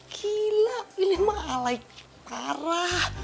gila ini mah alay parah